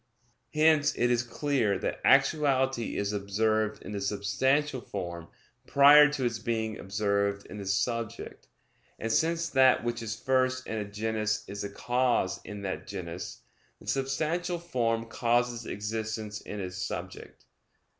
Hence it is clear that actuality is observed in the substantial form prior to its being observed in the subject: and since that which is first in a genus is the cause in that genus, the substantial form causes existence in its subject.